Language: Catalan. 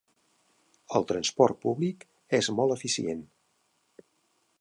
El transport públic és molt eficient.